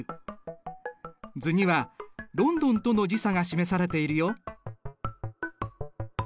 図にはロンドンとの時差が示されているよ。